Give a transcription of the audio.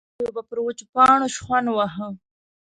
څارويو به پر وچو پاڼو شخوند واهه.